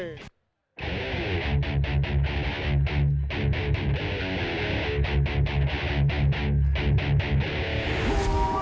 คนนี้มาจากอำเภออูทองจังหวัดสุภัณฑ์บุรีนะครับ